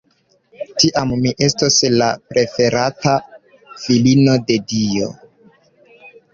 Tiam mi estos la preferata filino de Dio!